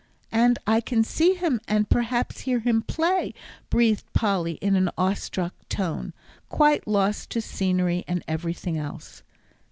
"And I can see him, and perhaps hear him play," breathed Polly, in an awestruck tone, quite lost to scenery and everything else.